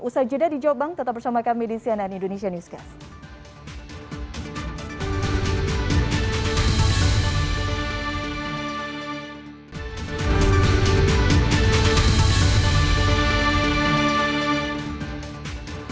usaha jeda di jawa bank tetap bersama kami di cnn indonesia newscast